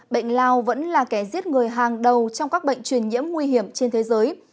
bệnh lao vẫn là kẻ giết người hàng đầu trong các bệnh truyền nhiễm nguy hiểm trên thế giới